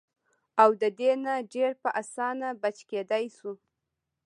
او د دې نه ډېر پۀ اسانه بچ کېدے شو -